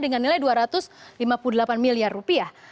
dengan nilai dua ratus lima puluh delapan miliar rupiah